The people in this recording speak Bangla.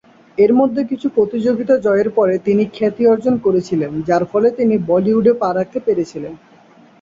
এর মধ্যে কিছু প্রতিযোগিতা জয়ের পরে তিনি খ্যাতি অর্জন করেছিলেন, যার ফলে তিনি বলিউডে পা রাখতে পেরেছিলেন।